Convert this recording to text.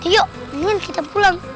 yuk minggu kita pulang